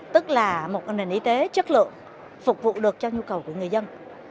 tức là một nền y tế chất lượng phục vụ được cho nhu cầu của người dân